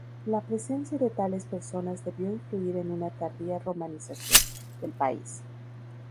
La presencia de tales personas debió influir en una tardía romanización del país.